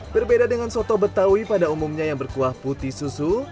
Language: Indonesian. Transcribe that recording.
berbeda dengan soto betawi pada umumnya yang berkuah putih susu